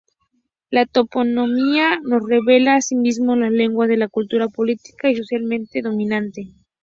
La toponimia nos revela asimismo la lengua de la cultura política y socialmente dominante.